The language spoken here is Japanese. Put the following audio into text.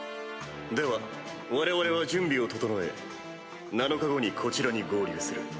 では我々は準備を整え７日後にこちらに合流する。